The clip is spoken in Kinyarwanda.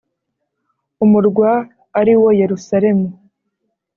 umurwa ari wo Yerusalemu